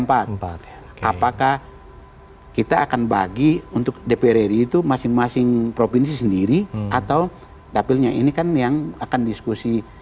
apakah kita akan bagi untuk dpr ri itu masing masing provinsi sendiri atau dapilnya ini kan yang akan diskusi